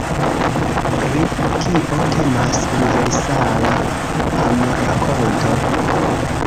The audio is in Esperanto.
Pri kio temas Universala Amrakonto?